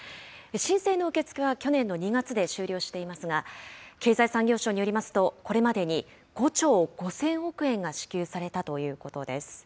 申請の受け付けは去年の２月で終了していますが、経済産業省によりますと、これまでに５兆５０００億円が支給されたということです。